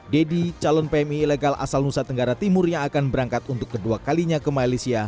deddy calon pmi ilegal asal nusa tenggara timur yang akan berangkat untuk kedua kalinya ke malaysia